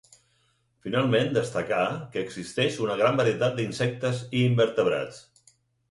Finalment destacar que existeix una gran varietat d'insectes i invertebrats.